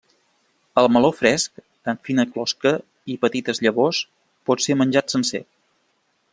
El meló fresc, amb fina closca i petites llavors, pot ser menjat sencer.